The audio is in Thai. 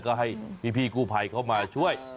ก็ให้พี่กู้ภัยเข้ามาช่วย